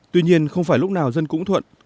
tuy nhiên không phải lúc nào dân cũng thuận